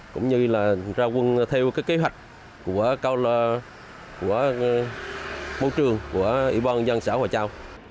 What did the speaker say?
cũng như ra quân theo kế hoạch của bộ trường của ủy ban dân xã hòa châu